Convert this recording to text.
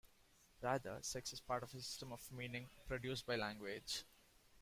Rather, sex is part of a system of meaning, produced by language.